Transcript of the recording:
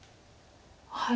はい。